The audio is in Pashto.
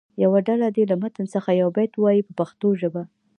یوه ډله دې له متن څخه یو بیت ووایي په پښتو ژبه.